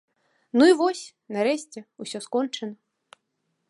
Ну і вось, нарэшце, усё скончана.